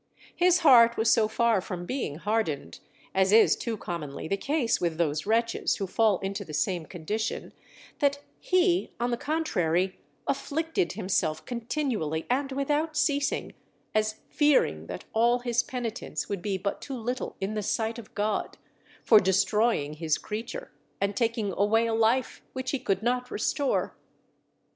His heart was so far from being hardened, as is too commonly the case with those wretches who fall into the same condition, that he, on the contrary, afflicted himself continually and without ceasing, as fearing that all his penitence would be but too little in the sight of God, for destroying His creature and taking away a life which he could not restore.